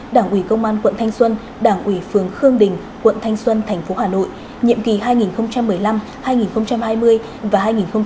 đảng ủy công an quận thanh xuân đảng ủy phường khương đình quận thanh xuân tp hà nội nhiệm kỳ hai nghìn một mươi năm hai nghìn hai mươi và hai nghìn hai mươi hai nghìn hai mươi năm